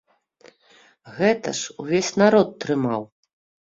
Гэта ж увесь народ трымаў.